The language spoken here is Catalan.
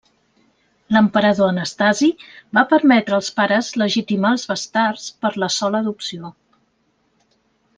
L'emperador Anastasi va permetre als pares legitimar els bastards per la sola adopció.